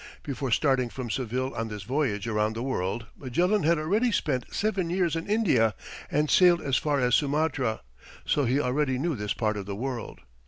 Before starting from Seville on this voyage around the world, Magellan had already spent seven years in India and sailed as far as Sumatra, so he already knew this part of the world.